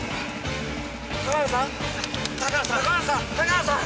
高原さん？